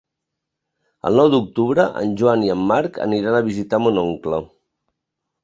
El nou d'octubre en Joan i en Marc aniran a visitar mon oncle.